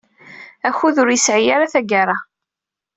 Akud ur yesɛi ara tagara.